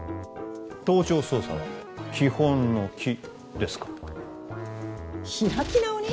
盗聴捜査は基本のキですから開き直り？